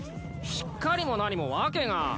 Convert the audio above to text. しっかりも何も訳が。